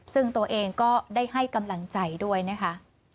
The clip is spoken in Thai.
ซึ่งตัวเองก็ได้ให้กำลังใจด้วยนะคะ